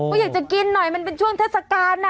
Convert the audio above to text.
ก็อยากจะกินหน่อยมันเป็นช่วงเทศกาลน่ะ